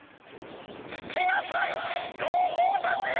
「聴きなさい同胞たちよ！